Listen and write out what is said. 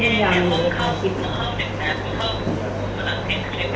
เขาก็ไม่รู้ตัวเขาก็ยังมีเพื่อนมาเช็คบัญชีนะครับ